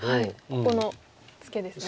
ここのツケですね。